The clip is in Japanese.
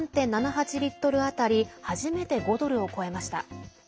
リットル当たり初めて５ドルを超えました。